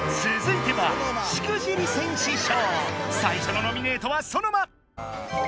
つづいては最初のノミネートはソノマ！